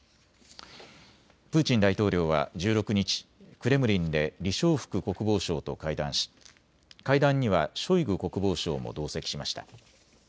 プーチン大統領は１６日、クレムリンで李尚福国防相と会談し、会談にはショイグ国防相も同席しました。